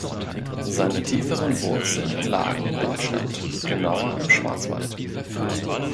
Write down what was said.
Seine tieferen Wurzeln lagen in Deutschland, genauer im Schwarzwald.